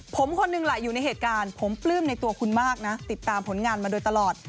ผมคนหนึ่งแหละอยู่ในเหตุการณ์ผมปลื้มในตัวคุณมากนะติดตามผลงานมาโดยตลอด